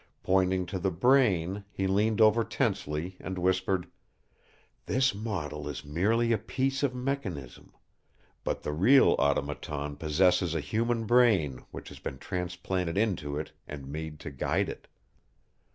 Pointing to the brain, he leaned over tensely, and whispered: "This model is merely a piece of mechanism. But the real automaton possesses a human brain which has been transplanted into it and made to guide it."